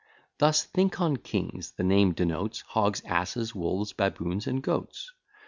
Thus think on s: the name denotes Hogs, asses, wolves, baboons, and goats.